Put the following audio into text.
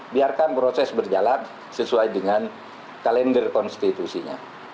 biarkan proses berjalan sesuai dengan kalender konstitusinya